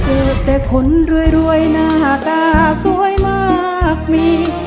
เจอแต่คนรวยหน้าตาสวยมากมี